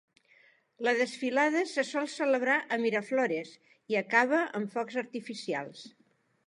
La desfilada se sol celebrar a Miraflores i acaba amb focs artificials.